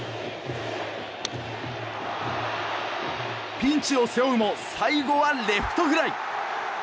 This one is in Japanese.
ピンチを背負うも最後はレフトフライ。